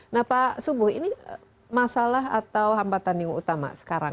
nah pak subuh ini masalah atau hambatan yang utama sekarang